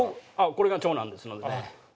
これが長男ですので。